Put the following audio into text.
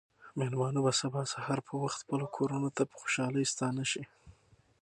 مېلمانه به سبا سهار په وخت خپلو کورونو ته په خوشحالۍ ستانه شي.